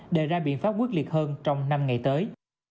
đề ra biện pháp quyết liệt hơn trong năm ngày tới